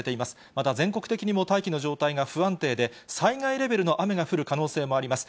また全国的にも大気の状態が不安定で、災害レベルの雨が降る可能性もあります。